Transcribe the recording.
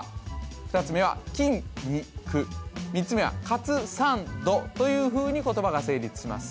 ２つ目は「きんにく」３つ目は「かつさんど」というふうに言葉が成立します